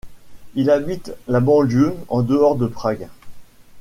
Ils habitent la banlieue en dehors de Prague.